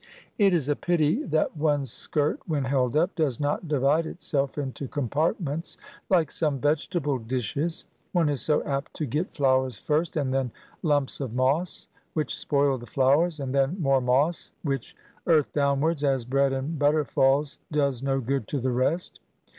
It is a pity that one's skirt, when held up, does not divide itself into compartments, like some vegetable dishes. One is so apt to get flowers first, and then lumps of moss, which spoil the flowers, and then more moss, which, earth downwards (as bread and butter falls), does no good to the rest.